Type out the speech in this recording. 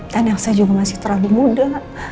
dan elsa juga masih terlalu muda